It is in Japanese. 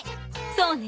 そうね。